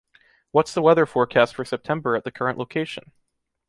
What’s the weather forecast for September at the current location?